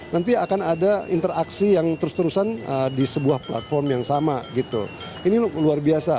nanti akan ada interaksi yang terus terusan di sebuah platform yang sama gitu ini luar biasa